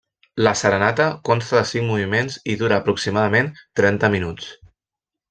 La serenata consta de cinc moviments i dura aproximadament trenta minuts.